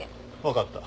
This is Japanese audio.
分かった。